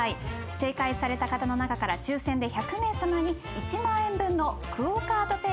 正解された方の中から抽選で１００名さまに１万円分のＱＵＯカードＰａｙが当たります。